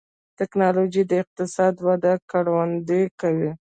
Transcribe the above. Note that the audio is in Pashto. ټکنالوجي د اقتصاد وده ګړندۍ کوي.